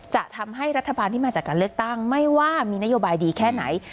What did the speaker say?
จะทำให้รัฐบาลที่มาจากการเลือกตั้งไม่ว่ามีนโยบายดีแค่ไหน